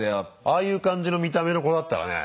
ああいう感じの見た目の子だったらね